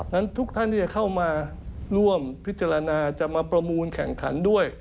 นั้นทุกท่านที่จะเข้ามาร่วมพิจารณาจะมาประมูลแข่งขันด้วย